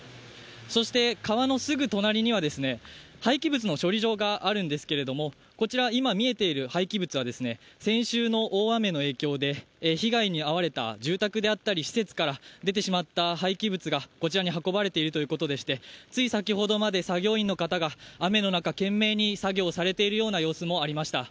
そして川のすぐ隣には廃棄物の処理場があるんですけれども、こちら、今見えている廃棄物は先週の大雨の影響で被害に遭われた住宅であったり施設から出てしまった廃棄物がこちらに運ばれているということでして、つい先ほどまで作業員の方が雨の中、懸命に作業している様子が見られました。